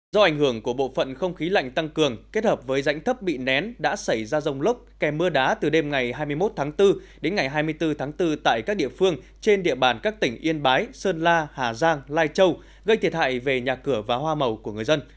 do ảnh hưởng của bộ phận không khí lạnh tăng cường kết hợp với rãnh thấp bị nén đã xảy ra rông lốc kèm mưa đá từ đêm ngày hai mươi một tháng bốn đến ngày hai mươi bốn tháng bốn tại các địa phương trên địa bàn các tỉnh yên bái sơn la hà giang lai châu gây thiệt hại về nhà cửa và hoa màu của người dân